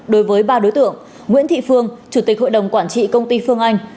đối với ba đối tượng nguyễn thị phương chủ tịch hội đồng quản trị công ty phương anh